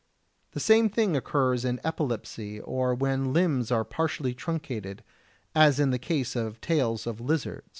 The same thing occurs in epilepsy or when limbs are partially truncated, as in the case of tails of lizards.